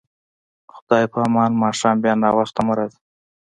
خدای په امان، ماښام بیا ناوخته مه راځه.